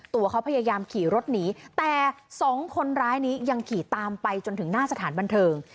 ตัวเขาพยายามขี่รถหนีแต่สองคนร้ายนี้ยังขี่ตามไปจนถึงหน้าสถานบันเทิง